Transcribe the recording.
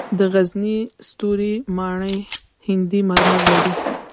د غزني ستوري ماڼۍ هندي مرمر لري